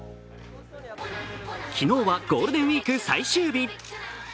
昨日はゴールデンウイーク最終日。